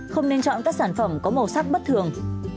không nên chọn các sản phẩm có màu sắc bất thường